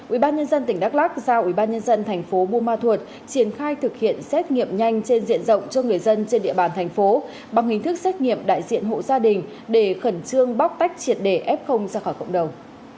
ubnd tỉnh đắk lắc giao ubnd thành phố buôn ma thuột triển khai thực hiện xét nghiệm nhanh trên diện rộng cho người dân trên địa bàn thành phố bằng hình thức xét nghiệm đại diện hộ gia đình để khẩn trương bóc tách triệt để f ra khỏi cộng đồng